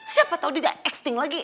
siapa tau dia acting lagi